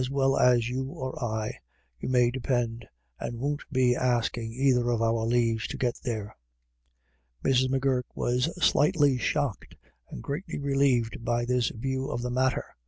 well as you or I, you may depend, and won't be asking either of our leaves to get there." Mrs. M'Gurk was slightly shocked and greatly relieved by this view of the matter.